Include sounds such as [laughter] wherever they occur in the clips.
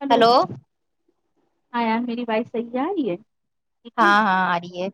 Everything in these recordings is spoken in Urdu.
ہلو ہاں یار میری وائز صحیح جا رہی ہے ٹھیک ہے ہاں ہاں آ ری ہے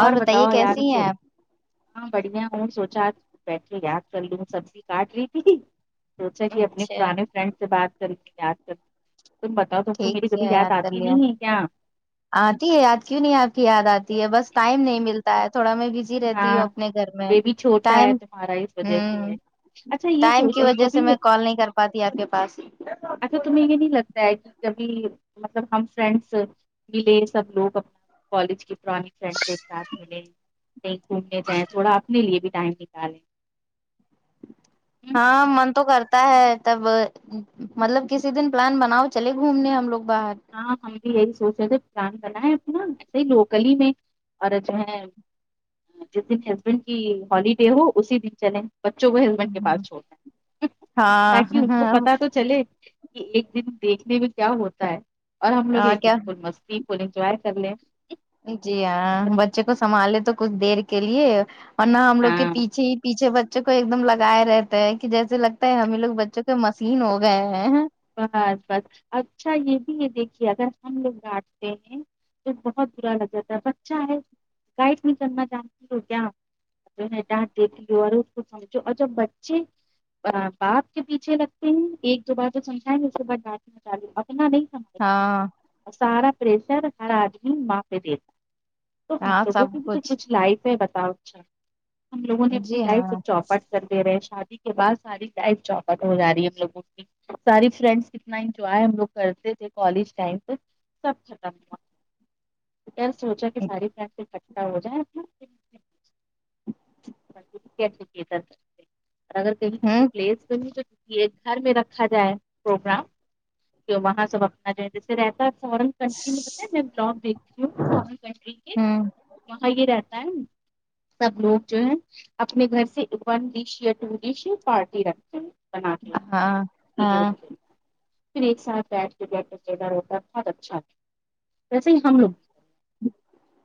اور بتائیے بتاو یار کیسی چو ہیں آپ ہاں بڑھیا ہوں سوچا بیٹھو یاد کر لوں سبزی کاٹ رہی تھی سوچا کہ اپنی اچھا پرانے فرینڈ سے بات کر کہ یاد کر تم بتاؤ تم کو میری ٹھیک ہے کبھی یاد کر آتی لیا نہیں ہے کیا آتی ہے یاد کیوں نہیں آتی یاد آتی ہے بس ٹائم نہیں ملتا ہے تھوڑا میں بھی زی رہتی ہوں ہاں اپنے گھر میں بیبی چھوٹا ہے ٹائم تمہارا اس وجہ سے ہمم ہے اچھا یہ ٹائم سوچ کی وجہ سے کبھی میں کال نہیں کر پاتی آپ کے پاس اچھا تمہیں یہ نہیں لگتا کبھی مطلب ہم فرینڈس ملے سب لوگ اپن کالج کی پرانی فرینڈس ایک ساتھ ملیں کہیں گھومنے جائیں تھوڑا اپنے لیے بھی ٹائم نکل [inaudible] ہاں من تو کرتا ہے تب مطلب کسی دن پلان بناؤ چلے گھومنے ہم لوگ باہر ہاں ہم بھی یہی سوچ رہے تھے پلان بنائے اپنا ایسے ہی لوکلی میں اور جو ہے جس دن ہسبینڈ کی ہالیڈے ہو اسی دن چلیں بچوں کو ہسبینڈ کے پاس چھوڑ نا تاکہ ان ہاں کو پتا تو چلے کہ ایک دن دیکھنے میں کیا ہوتا ہے اور ہم لوگ ایک دن فل مستی فل انجوائے کر لیں جی بس۔ ہاں بچے کو سنبھالے تو کچھ دیر کے لیے ورنہ ہم لوگ کے ہاں پیچھے ہی پیچھے بچوں کو ایک دم لگائے رہتے ہیں کہ جیسے لگتا ہے ہمیں لوگ بچوں کے مشین ہو گئے ہیں بس بس اچھا یہ بھی ہے دیکھیے اگر ہم لوگ ڈانٹتے ہیں تو بہت برا لگ جاتا ہے بچہ ہے گائڈ نہیں کرنا چاہتی تو کیا انھے دانت ڈیتھ اور وو بچے باپ کے پیچھے لگتے ہیں ایک دو بار سمجھے اسکے بعد ڈانٹ لگاتے ہاں سارا پریشر ہر آدمی معافی دیتا تو ہم ہاں لوگوں سب کی بھی تو کچھ لائق ہے بتاؤ اچھا ہم لوگوں نے اپنی جی لائف ہاں چاپٹ کر دے رہے ہیں شادی کے بعد ساری لائف چوپٹ ہو جاری ہم لوگوں کی ساری فرینڈس کتنا انجوائے ہم لوگ کرتے تھے کالج ٹائم پہ سب ختم پھر سوچا کے ساری فرینڈز اکھٹا ہوجیے رکھی ادھر اور اگر کہیں کسی ہوں پلیس میں نہیں تو کسی ایک گھر میں رکھ رکھا جائے پروگرام کہ وہاں سب اپنا جو جیسے رہتا فارن کنٹری میں بتا میں بلاگ دیکھتی ہوں فورن کنٹری کے ہوں وہاں یہ رہتا ہے سب لوگ جو ہے اپنے گھر سے ون ڈش یا ٹو ڈش پارٹی رکھتے ہیں بنا کے لا تے ہیں ہاں ہاں پھر ایک ساتھ بیٹھ کے بیھ روتا بہت اچھا تھا ویسے ہی ہم لوگ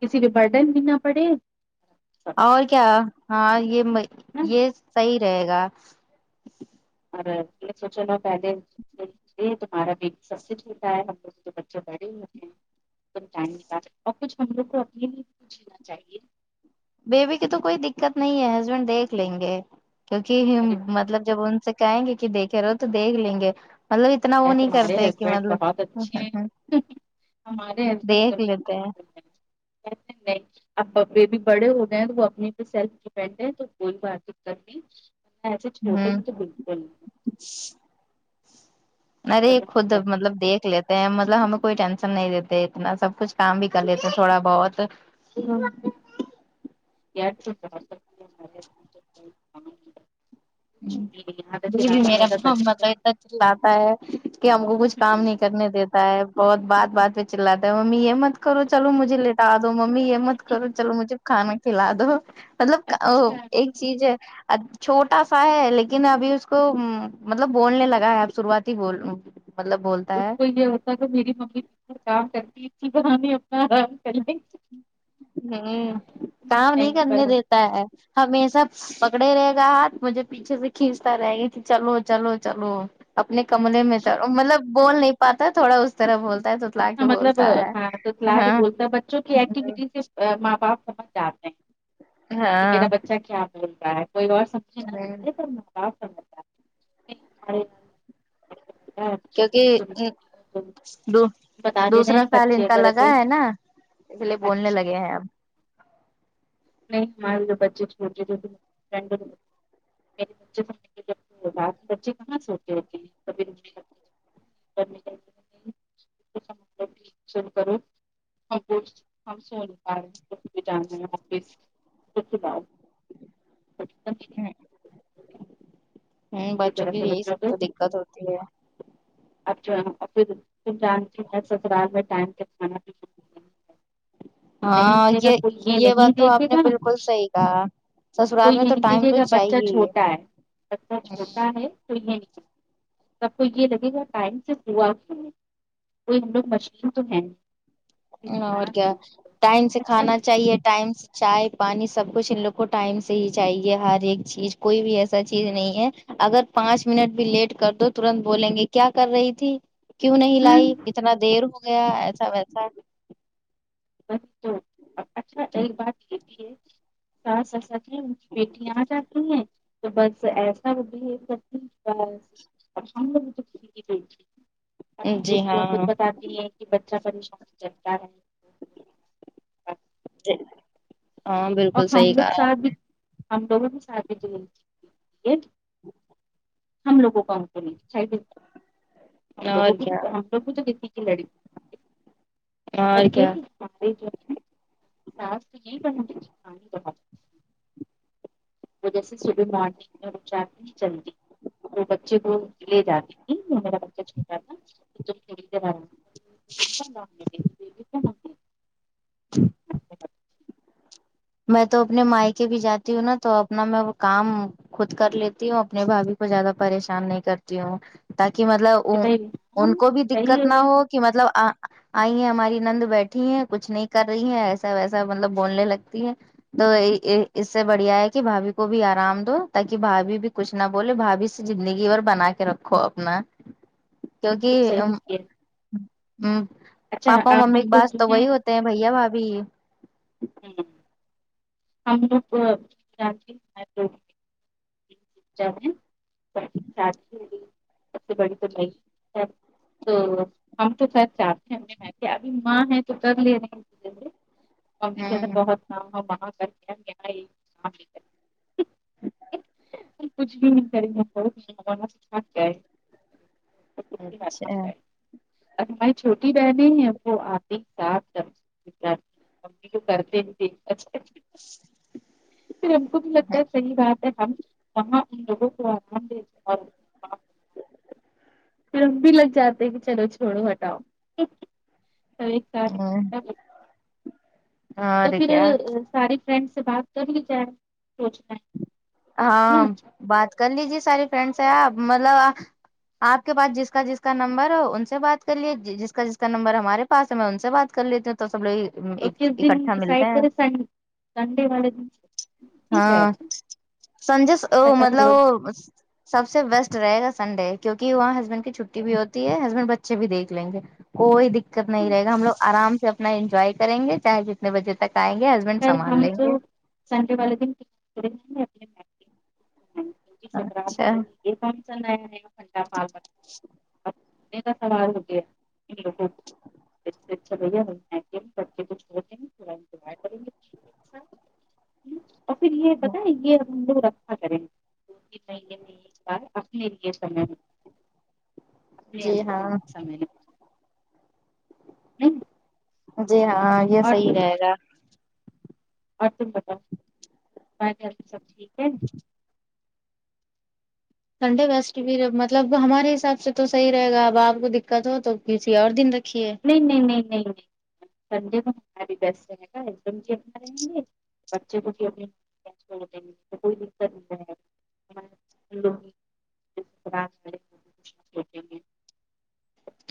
کسی کے برڈن بھیینا پڑے سب اور کیا ہاں یہ نا یہ صحیح رہے گا اور میں سوچا نہ پھلے تمہارا بھی سب سےڈ ہوتا ہے ہم لوگ جو بچے پڑھ ہی ہوتے ہیں [unintelligible] ٹائم نکال اور کچھ ہم لوگ کو اپنے لی پوچھا چاہیے بیبی کی تو کوئی دقت نہیں ہے ہسبینڈ دیکھ لیں گے کیونکہ ارے مطلب جب ان سے کہیں گے کہ دیکھے رہو تو دیکھ لیں گے مطلب اتنا وہ یا نہیں تمہارے کرتے کہ ہسبینڈ بہت مطلب اچھے ہیں ہمارے ہسبینڈ تو دیکھ نہیں لیتے ہے بالکل [unintelligible] اب ابیے بھیی بڑے ہو گئے ہیں تو وہ اپنے پہ سیلف ڈپینڈ ہے تو کوئی بات نہیں کرنی ایے چھوٹے میں تو بالکل ا ان ارے کا تو نہیں خود کرنا۔ مطلب دیکھ لیتے ہے مطلب ہمیں کوئی ٹینشن نہیں دیتے اتنا سب کچھ کام بھی کر لیتے تھوڑا بہت جی [unintelligible] [unintelligible] کچھ بھی نہیں، یہاں تک کہ ج جی رات میں میرا بھی اگر [unintelligible] بچے اتنا چلاتا ہے کہ ہم کو کچھ کام ہوں، نہیں کرنے دیتا ہے بہت بات بات پہ چلاتا ہے ممی یہ مت کرو چلو مجھے لی بتا دو ممی یہ مت کرو چلو مجھے کھانا کھلا دو مطلب اچھا ایک چیز ہے چھوٹ سا ہے لیکن ابھی اس کو مطلب بولنے لگا ہے اب شروعات ہی بول مطلب بول اس کو یہ ہوتا ہے کہ میری ممی کام کرتی ا بنانے اپنا آرام کرنے ہ کام نہیں کرنے پر ہم دیتا ہے ہمیشہ پکڑے رہے گا ہاتھ مجھے پیچھے سے کھینچتا رہے گی کہ چلو چلو چلو اپنے کملے میں تو مطلب بول نہیں پاتا ہے تھوڑا اس طرح بولتا ہے تو مطلب ہاں توتلا کے بولتا ہے بچوں کی ایکٹیوٹی سے ماں باپ سمجھ جاتے ہیں کہ میرا ہاں بچہ کیا بول رہا ہے کوئی اور سم سمچے یہ نہ ہوں سمجھےپر ماں باپ سمجھ جا تے ہیں کیونکہ ا دو بتا دے رہے دوسرا ہیں سال ان بچے کا اگر لگا ایسے ہے نا اس لیے بولنے اچھے لگے ہیں اب نہیں ہمارے جو بچے چھوٹے چھوٹے [unintelligible] [unintelligible] [unintelligible] بھی جان آفس [unintelligible] ہوں بچوں طرح کی سے یہی بچوں سب کو تو دقت ہوتی ہے اب پھر جانتی میں سسرال میں ٹائم تک کھانا بھی شروع نہیں ہاں ملے گا پہر یہ نہیں بات تو دیکھے آپ نے گا بالکل صحیح کہا کو سسرال یہ میں تو نہیں ٹائم دیکے تو گا بچہ چاہیے ہی چھوٹا ہے بچہ چھوٹا ہے تو یہ نہیں دیک سب کو یہ لگے گا ٹائم سے ہوا کیو نی وہ ہم لوگ مشھلی تو ہیں اور کیا ٹائم سے اچھا ہوں کھانا چاہیے ٹائم چائے پانی سب کچھ ان لوگ کو ٹائم سے ہی چاہیے ہر ایک چیز کوئی بھی ایسا چیز نہیں ہے اگر پانچ منٹ بھی لیٹ کر دو ترنت بولیں گے کیا کر رہی تھی کیوں نہیں لائی کتنا دیر ہو وہی گیا ایسا ویسا تو اچھا ایک بات یہ بھی ہے ٹس اسل نہیں ان کی بیٹیاں جاتی ہیں تو بس ایسا کرتی ہیں بس پشانلو وہ کس کی بٹی ہے اپنی جی بیٹی ہاں خود بتاتی ہیں کہ بچہ پریشان کرتا رہے [inaudible] ہاں اور بالکل صحی ہم لوگ کہا اپنے ساتھ بھی ہم لوگوں کی [unintelligible] ہم لوگوں کو ہم کونی چاہی ہم ہے۔ اور لوگوں کو کیا تو ہم لوگ کو تو کنی کی لڑکی اور یہ [unintelligible] وجہ سے صبح مارننگ میں وہ جلدی وہ بچے کو لے جاتی تھی م [unintelligible] [inaudible] میں تو اپنے مائی کے بھی جاتی ہوں نا تو اپنا میں وہ کام خود کر لیتی ہوں اپنے بھابھی کو زیادہ پریشان نہیں کرتی ہوں تاکہ مطلب بھائی ہاں ان کو بھی صحیح دقت ہے نہ ہو کہ مطلب آئی ہیں ہماری نند بیٹھی ہے کچھ نہیں کر رہی ہے ایسا ویسا مطلب بولنے لگ تو اس سے بڑھیا ہے کہ بھابھی کو بھی آرام دو تاکہ بھابھی بھی کچھ نا بولے بھابھی سے زندگی بھر بنا کے رکھو اپنا کیونکہ بالکل ام صحیح کیا اچھا پاپا اب ممی ہم کی لوگ بعد جو تو ہیں وہی ہوتی بھیاں بھابھی ہم ہم لوگ شادی سب سے بڑی تو تو ہم تو سید چاہتے ہم نے میں کیا ابھی ماں ہے تو کر لے رہی ہیں م بہت کام وہاں کر کے گے کچھ بھی نہیں کریں گے اچھا ا ہماری چھوٹی بہنیں ہیں وہ آپ ہی ساتھ ممی تو کرتے ہی تھے اچھا پھر ہم کو بھی لگتا ہے صحیح بات ہے ہم وہاں ان لوگوں کو آرام دتے اور پھر بھی لگ جاتے کہ چلو چھوڑو ہٹاؤ ایک س تو اور پھر کیا ساری فرینڈ سے بات کر لی جائے سوچنا ہے ہاں نا بات کر لیجے ساری فرینڈ سے آپ مطلب آپ کے پاس جس کا جس کا نمبر ہو ان سے بات کر لیے جی جس کا جس کا نمبر ہمارے پاس ہے میں ان سے بات کر لیتی ہوں تو سب لوگ ی عم اور کس ایگ دن اکٹھا ملتے ڈسائڈ ہیں کرے سنڈے والے دن ٹھیک ہے ہاں سنجے س ا مطلب وہ سب سے بیسٹ رہے گا سنڈے کیونک کہ وہاں ہسبینڈ کی چھٹی بھی ہوتی ہے ہسبینڈ بچے بھی دیکھ لیں گے کوئی دیکت نہیں رہے گا ہم لوگ آرام سے اپنا انجوائے کریں گے چاہے جتنے بجے تک آئیں گے حس س ہم تو سنڈے والے دن کی سیرت کے اچھا یہ کام س کھڈاالنے کا سوال ہو گیا ان لوگوں سب سے اچھا لگا کے بچے کچھ بلو گے زارا چوبھڈو [unintelligible] اور پھر یہ پتاہ یں یہ ہم لوگ رکھا کریں دو تین مہینے میں ایک بار اپنے لئے [unintelligible] اپنے جی آپ ہاں س میں نے جی ہاں یہ اور صحیح تم رہے گا اور تم بتاؤ [unintelligible] سب ٹھیک ہے سنڈے بیسٹ بھی مطلب ہمارے حساب سے تو صحیح رہے گا اب آپ کو دکت ہو تو کسی اور دن رکھیے نہیں نہیں نہیں نہیں نہیں سنڈے میں ہمیں بھی بیسٹ رہے گا ایک دم کی اپنا رہیں گے بچے کو بھی کوئی دکت نہیں ہے [unintelligible]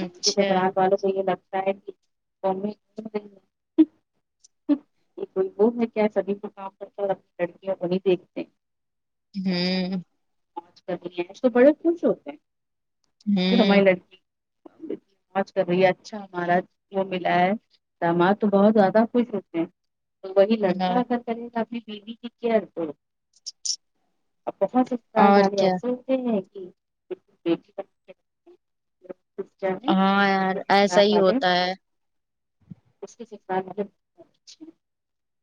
ان کی تو اچھا گرات سھی لگتا ہے کہ فون میں یہ کوئی وہ ہے کیا سبھی کو کام کرتا اورڈر وہی دیکھتے ہوں آج کل ہی ای تو بڑے خوش ہوتے ہیں کہ ہماری ہمم لڑکی موج کر رہی اچھا ہمارا وہ ملا ہے داماد تو بہت زیادہ خوش ہوتے ہیں تو وہی لڑکا یار اگر کرے گا اپنی بیوی کی کیئر تو اب بہت سسرال اور والے کیا ایسے ہوتے ہیں کہ ب بی [unintelligible] ہاں یار ایسا سسرال ہی والے ہوتا ہے اس کی سسرال والے بہت اچہے ہیں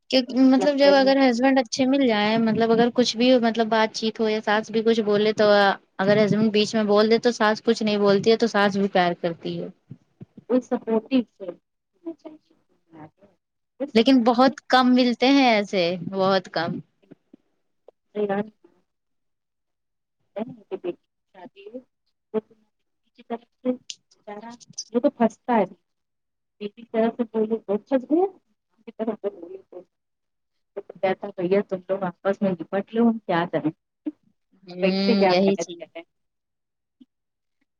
کے مطلب لگتے جب ہی اگر ہسبینڈ اچھ اچھے مل جائیں مطلب اگر کچھ بھی مطلب بات چیت ہو یا ساس بھی کچھ بولے تو آ اگر ہسبنڈ بیچ میں بول دے تو ساس کچھ نہیں بولتی ہے تو ساس بھی پیار کرتی ہے اس سپوٹیو سے اچھا اچھا لیکن بہت کم ملتے ہیں ایسے بہت کم اعلان نہیں کرتے [unintelligible] شادی کب کی یہ تو پھستا ہے [unintelligible] کہتا ہیں بھیا تم لوگ آپس میں نپٹ لو ہم کیا کہیں ایک سے ہوں کیا یہی محنت چیز کر رہے ہیں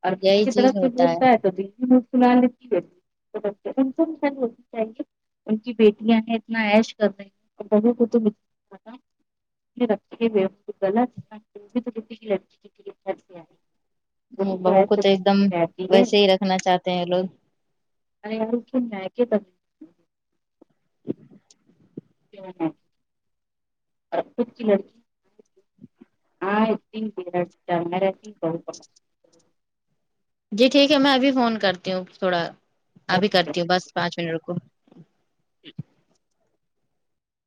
اور ماں یہی کی طرف چیز سے ہوتا بولتا ہے تو دل بھی مسکرا لے ان خل ہوتی چاہیے ان کی بیٹییں اتنا ایش کر رہی ہیں بہو کو تو پتا ہیں [unintelligible] وہ ہم بھی بہو ہے کو تو ایک دم کہتی ہے ویسے ہی رکھنا چاہتے ہیں لوگ ارے آئی [unintelligible] ہے کہ [unintelligible] ہاں [inaudible] جی ٹھیک ہے میں ابھی فون کرتی ہوں تھوڑا ابھی کرتی پکڑ۔ ہوں بس پانچ منٹ رکو ٹھیک